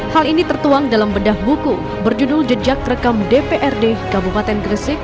hal ini tertuang dalam bedah buku berjudul jejak rekam dprd kabupaten gresik